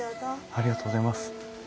ありがとうございます。